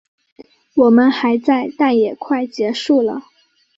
我们还在，但也快结束了